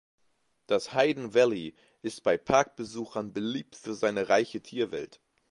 Das Hayden Valley ist bei Park-Besuchern beliebt für seine reiche Tierwelt.